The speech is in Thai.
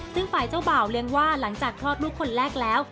ซึ่งฝ่ายเจ้าบ่าวเลี้ยงว่าหลังจากคลอดลูกคนแรกแล้ว